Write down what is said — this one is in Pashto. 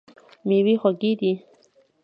میوې خوږې دي.